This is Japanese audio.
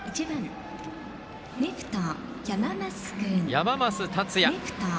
山増達也。